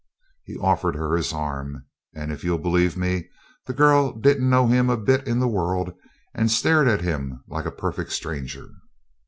He offered her his arm, and, if you'll believe me, the girl didn't know him a bit in the world, and stared at him like a perfect stranger.